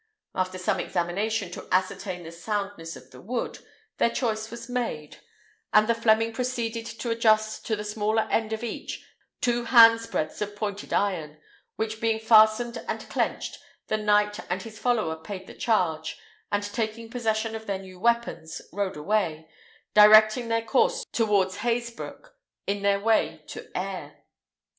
After some examination to ascertain the soundness of the wood, their choice was made; and the Fleming proceeded to adjust to the smaller end of each two handsbreadths of pointed iron, which being fastened and clenched, the knight and his follower paid the charge, and taking possession of their new weapons rode away, directing their course towards Hazebrouck, in their way to Aire.